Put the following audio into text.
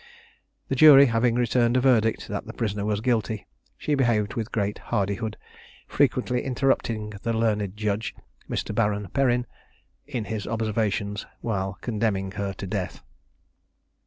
The jury having returned a verdict that the prisoner was guilty, she behaved with great hardihood, frequently interrupting the learned judge (Mr. Baron Perryn) in his observations, while condemning her to death.